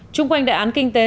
trung quanh đại án kinh tế